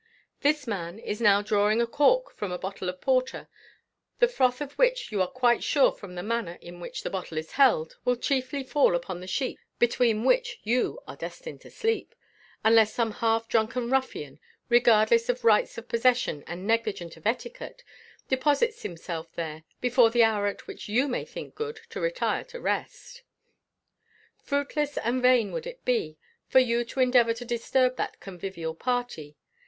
This man is now drawing a cork from a bottle of porter, the froth of which you are quite sure from the manner in which the bottle is held, will chiefly fall upon the sheets between which you are destined to sleep, unless some half drunken ruffian, regardless of rights of possession and negligent of etiquette, deposits himself there before the hour at which you may think good to retire to rest. Fruitless and vain would it be for you to endeavour to disturb that convivial party.